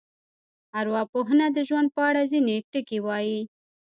ارواپوهنه د ژوند په اړه ځینې ټکي وایي.